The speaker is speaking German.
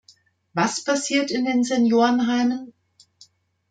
Was passiert in den Seniorenheimen?